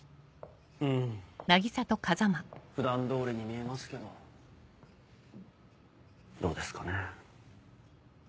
うん普段通りに見えますけどどうですかね。